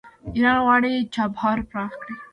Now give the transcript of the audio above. ایران غواړي چابهار پراخ کړي.